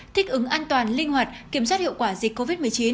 thích ứng an toàn linh hoạt kiểm soát hiệu quả dịch covid một mươi chín